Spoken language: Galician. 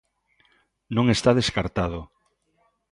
Non está descartado.